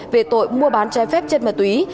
về tội mua bán trái phép chất ma túy